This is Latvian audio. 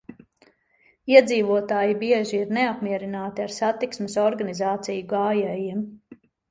Iedzīvotāji bieži ir neapmierināti ar satiksmes organizāciju gājējiem.